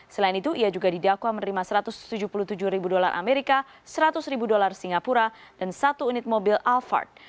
selain itu ia juga didakwa menerima satu ratus tujuh puluh tujuh ribu dolar amerika seratus ribu dolar singapura dan satu unit mobil alphard